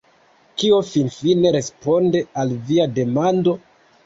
Kio finfine responde al via demando?